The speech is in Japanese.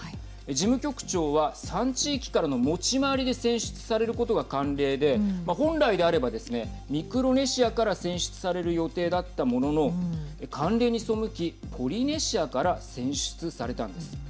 事務局長は３地域からの持ち回りで選出されることが慣例で本来であればですねミクロネシアから選出される予定だったものの慣例に背きポリネシアから選出されたんです。